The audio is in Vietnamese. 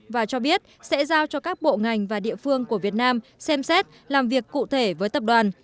và cho biết sẽ giao cho các bộ ngành và địa phương của việt nam xem xét làm việc cụ thể với tập đoàn